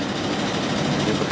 polda metro jaya berkata